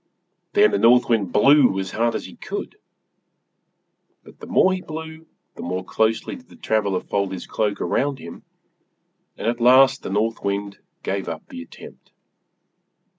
Then the North Wind blew as hard as he could, but the more he blew the more closely did the traveler fold his cloak around him; and at last the North Wind gave up the attempt.